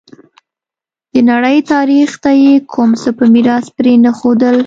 د نړۍ تاریخ ته یې کوم څه په میراث پرې نه ښودل.